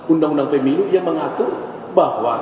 undang undang pemilu yang mengatur bahwa